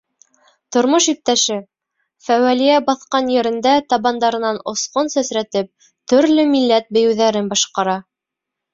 Тормош иптәше, Фәүәлиә баҫҡан ерендә табандарынан осҡон сәсрәтеп, төрлө милләт бейеүҙәрен башҡара.